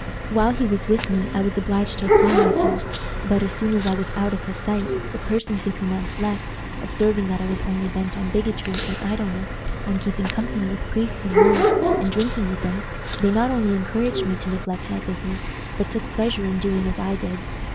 While he was with me I was obliged to apply myself, but, as soon as I was out of his sight, the persons with whom I was left, observing that I was only bent on bigotry and idleness, on keeping company with priests and monks, and drinking with them, they not only encouraged me to neglect my business, but took pleasure in doing as I did.